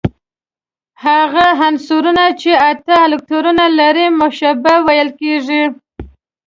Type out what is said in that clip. هغه عنصرونه چې اته الکترونونه لري مشبوع ویل کیږي.